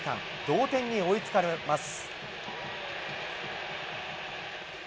同点に追いつかれます。